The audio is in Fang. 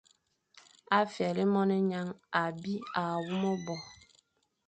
A fyelé monezañ abi à wu me bo,